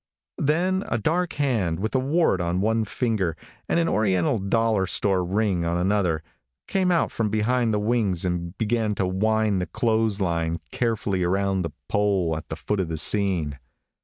Then a dark hand, with a wart on one finger and an oriental dollar store ring on another, came out from behind the wings and began to wind the clothes line carefully around the pole at the foot of the scene.